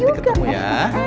nanti ketemu ya